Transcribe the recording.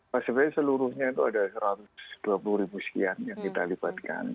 pasti seluruhnya itu ada satu ratus dua puluh ribu sekian yang kita lipatkan